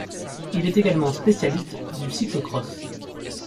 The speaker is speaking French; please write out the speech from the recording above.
Il est également spécialiste du cyclo-cross.